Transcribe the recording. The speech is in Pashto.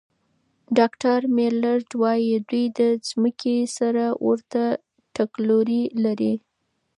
ډاکټر میلرډ وايي، دوی د ځمکې سره ورته تګلوري لري.